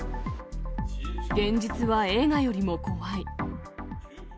現実は映画よりも怖い。